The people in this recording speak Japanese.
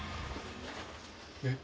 えっ？